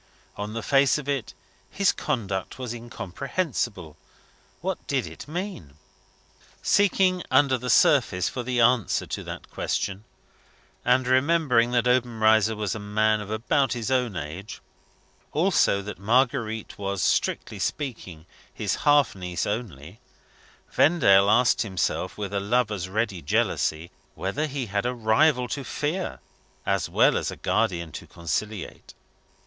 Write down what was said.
On the face of it, his conduct was incomprehensible. What did it mean? Seeking, under the surface, for the answer to that question and remembering that Obenreizer was a man of about his own age; also, that Marguerite was, strictly speaking, his half niece only Vendale asked himself, with a lover's ready jealousy, whether he had a rival to fear, as well as a guardian to conciliate.